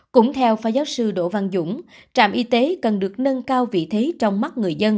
cũng theo phó giáo sư đỗ văn dũng trạm y tế cần được nâng cao vị thế trong mắt người dân